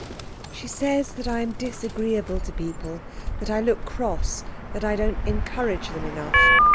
"She says that I am disagreeable to people that I look cross that I don't encourage them enough.